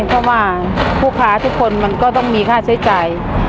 เพราะว่าผู้ค้าทุกคนมันก็ต้องมีค่าใช้จ่าย